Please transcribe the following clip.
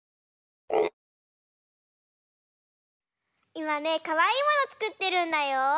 いまねかわいいものつくってるんだよ。